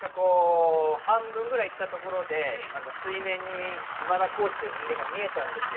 半分くらい行ったところで、水面に今田耕司という人間が見えたんですよ。